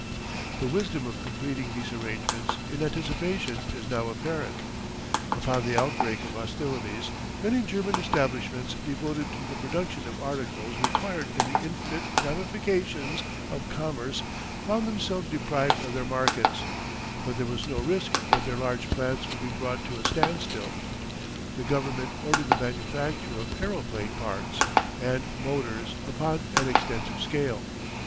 The wisdom of completing these arrangements in anticipation is now apparent. Upon the outbreak of hostilities many German establishments devoted to the production of articles required in the infinite ramifications of commerce found themselves deprived of their markets, but there was no risk that their large plants would be brought to a standstill: the Government ordered the manufacture of aeroplane parts and motors upon an extensive scale.